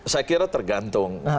saya kira tergantung